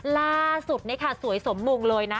ล่าสุดนี่ค่ะสวยสมมงเลยนะ